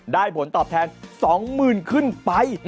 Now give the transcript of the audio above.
ผลตอบแทน๒๐๐๐ขึ้นไป